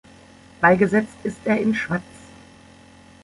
Beigesetzt ist er in Schwaz.